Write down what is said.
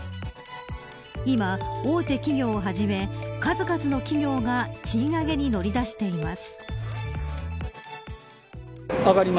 今、大手企業をはじめ数々の企業が賃上げに乗り出しています。